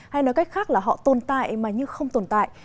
hay nói cách khác là họ tồn tại mà như không tồn tại